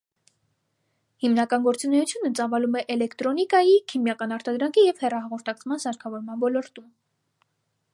Հիմնական գործունեությունը ծավալում է էլեկտրոնիկայի, քիմիական արտադրանքի և հեռահաղորդակցման սարքավորման ոլորտում։